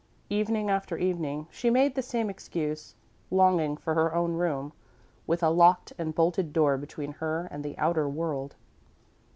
Evening after evening, she made the same excuse, longing for her own room, with a locked and bolted door between her and the outer world.